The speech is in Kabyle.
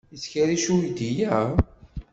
Yettkerric uydi-a?